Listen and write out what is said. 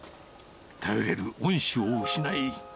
頼れる恩師を失い。